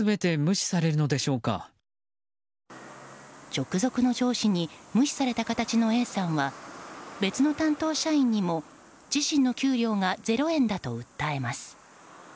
直属の上司に無視された形のＡさんは別の担当社員にも自身の給料がゼロ円だと訴えます。